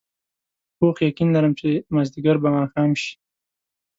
پوخ یقین لرم چې مازدیګر به ماښام شي.